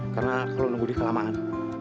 karena kalau nunggu di kelamaan